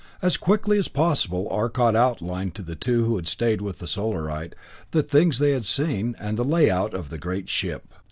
As quickly as possible Arcot outlined to the two who had stayed with the Solarite, the things they had seen, and the layout of the great ship.